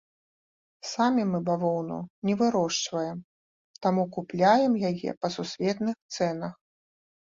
Самі мы бавоўну не вырошчваем, таму купляем яе па сусветных цэнах.